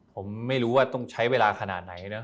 ผมไม่รู้ว่าต้องใช้เวลาขนาดไหนนะ